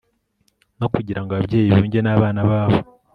no kugira ngo ababyeyi biyunge n'abana babo